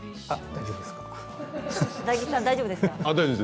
大丈夫です。